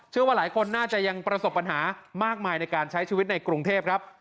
ว่าหลายคนน่าจะยังประสบปัญหามากมายในการใช้ชีวิตในกรุงเทพครับ